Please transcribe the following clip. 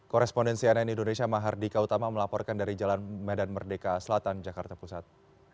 korespondensi ann indonesia mahardika utama melaporkan dari jalan medan merdeka selatan jakarta pusat